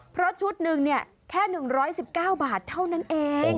เพราะชุดหนึ่งเนี่ยแค่๑๑๙บาทเท่านั้นเอง